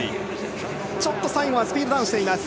ちょっと最後はスピードダウンしています。